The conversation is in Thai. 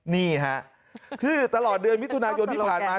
นี่ค่ะคือตลอดเดือนมิถุนายนที่ผ่านมา